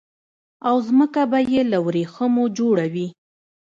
او ځمکه به يي له وريښمو جوړه وي